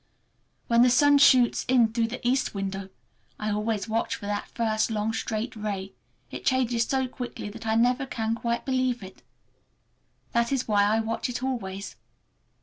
When the sun shoots in through the east window—I always watch for that first long, straight ray—it changes so quickly that I never can quite believe it. That is why I watch it always.